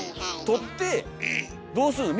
撮ってどうするの？